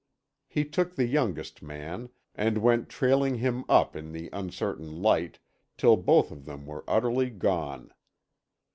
He took the youngest man, and went trailing him up in the uncertain light till both of them were utterly gone.